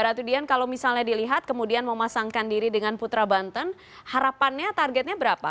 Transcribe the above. ratu dian kalau misalnya dilihat kemudian memasangkan diri dengan putra banten harapannya targetnya berapa